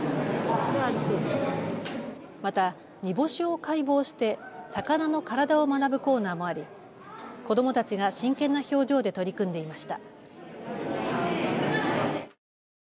また煮干しを解剖して魚の体を学ぶコーナーもあり子どもたちが真剣な表情で取り組んでいました。